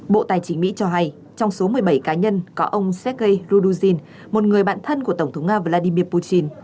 bộ tài chính mỹ cho hay trong số một mươi bảy cá nhân có ông sergeiruzin một người bạn thân của tổng thống nga vladimir putin